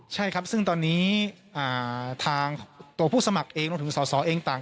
ใช่ครับซึ่งตอนนี้ทางตัวผู้สมัครเองรวมถึงสอสอเองต่าง